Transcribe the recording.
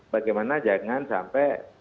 bagaimana jangan sampai